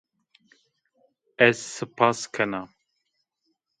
Ez sipas kena